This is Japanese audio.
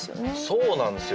そうなんですよ。